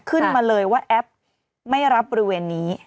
ขึ้นมาเลยว่าแอปไม่รับบริเวณนี้